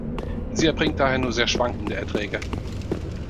Sie erbringt daher nur sehr schwankende Erträge.